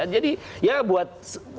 jadi ya buat